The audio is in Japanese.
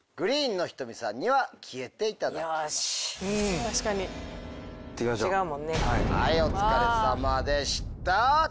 はいお疲れさまでした。